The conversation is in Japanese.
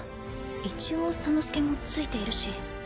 一応左之助もついているし。